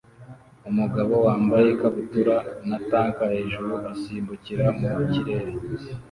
Umugabo wambaye ikabutura na tank hejuru asimbukira mu kirere